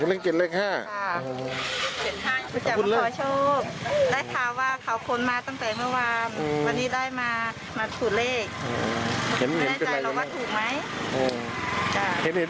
ไม่ได้ใจเราก็ถูกไหม